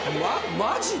マジで？